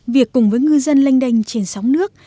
việc cùng với ngư dân lanh đanh trên sóng nước